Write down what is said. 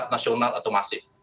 masional atau masif